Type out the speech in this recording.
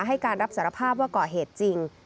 ให้การรับสารภาพว่าก่อเหตุจริง